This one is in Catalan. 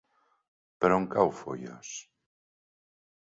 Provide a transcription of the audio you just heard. Per on cau Foios?